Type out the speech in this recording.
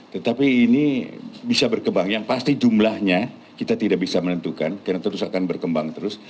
tetapi ini bisa berkembang yang pasti jumlahnya kita tidak bisa menentukan karena terus akan berkembang terus